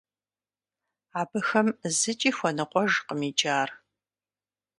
Абыхэм зыкӀи хуэныкъуэжкъым иджы ар.